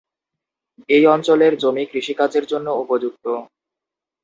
এই অঞ্চলের জমি কৃষিকাজের জন্য উপযুক্ত।